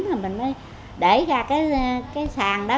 rồi mình mới để ra cái sàn đó